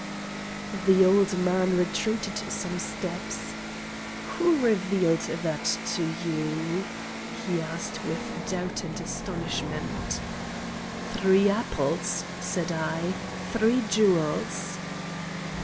The old man retreated some steps. "Who revealed that to you?" he asked with doubt and astonishment. "Three apples," said I, "three jewels."